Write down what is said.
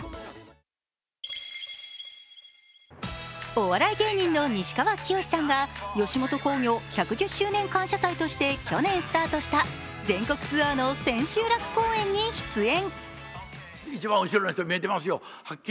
お笑い芸人の西川きよしさんが吉本興業１１０周年感謝祭として去年スタートした全国ツアーの千秋楽公演に出演。